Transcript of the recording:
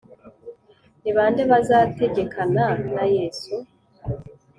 Ni ba nde bazategekana na Yesu?